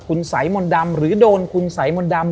คุณสัยมนต์ดำหรือโดนคุณสัยมนต์ดำ